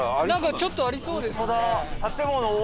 なんかちょっとありそうですね。